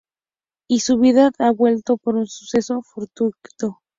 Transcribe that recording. Y su vida da un vuelco por un suceso fortuito.